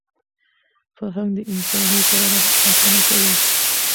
فرهنګ د انساني کرامت ساتنه کوي.